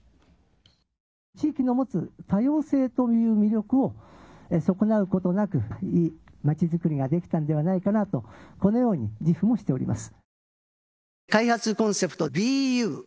地域の持つ多様性と魅力を損なうことなく、いいまちづくりができたのではないかなと自負しております。